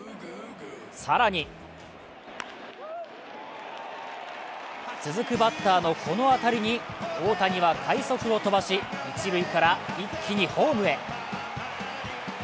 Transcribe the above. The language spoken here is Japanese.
更に続くバッターのこの当たりに大谷は快足を飛ばし、一塁から一気にホームへ。